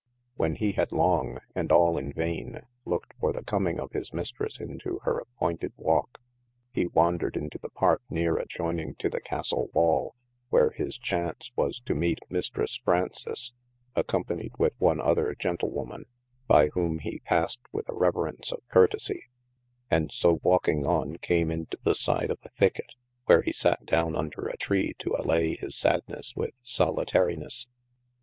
When he had long (and all in vaine) looked for the coming of his Mistresse into hir appoynted walke : he wandred into the Parke neere adjoyning to the Castle wall, where his chaunce was to meete Mistres F\f]aunces, accompanied with one other Gentle woman, by whome hee passed with a reverence of curtesie : and so walking on, came into the side of a thicket, where he satte downe under a tree to allay his sadnesse with solitarines.